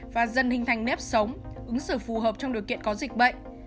và dần hình thành nếp sống ứng xử phù hợp trong điều kiện có dịch bệnh